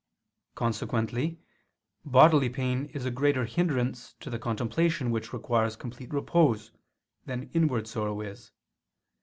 Consequently bodily pain is a greater hindrance to contemplation which requires complete repose, than inward sorrow is.